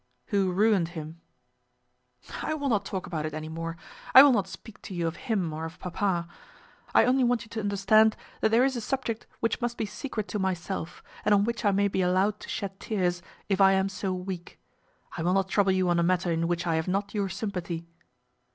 "Who ruined him?" "I will not talk about it any more. I will not speak to you of him or of papa. I only want you to understand that there is a subject which must be secret to myself, and on which I may be allowed to shed tears, if I am so weak. I will not trouble you on a matter in which I have not your sympathy."